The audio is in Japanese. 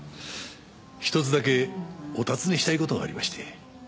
１つだけお尋ねしたい事がありまして。